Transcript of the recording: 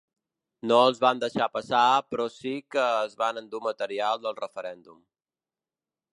No els van deixar passar però sí que es van endur material del referèndum.